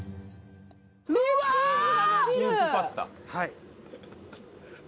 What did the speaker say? はい。